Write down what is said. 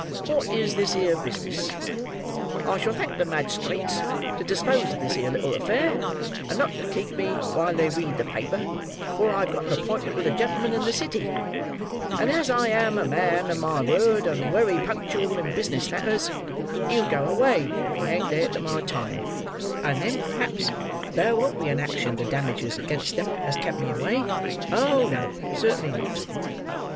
Wot is this here business? I shall thank the madg'strates to dispose of this here little affair, and not to keep me while they read the paper, for I've got an appointment with a genelman in the City, and as I am a man of my word and wery punctual in business matters, he'll go away if I ain't there to my time, and then pr'aps ther won't be an action for damage against them as kep me away. Oh no, certainly not!"